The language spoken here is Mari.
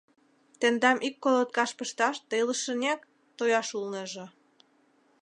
Тендам ик колоткаш пышташ да илышынек тояш улнеже.